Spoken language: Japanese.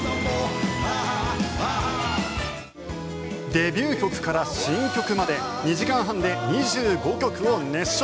デビュー曲から新曲まで２時間半で２５曲を熱唱。